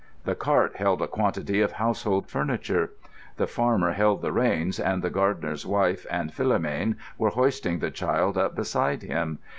The cart held a quantity of household furniture. The farmer held the reins, and the gardener's wife and Philomène were hoisting the child up beside him.